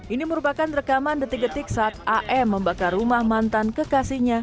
ini merupakan rekaman detik detik saat am membakar rumah mantan kekasihnya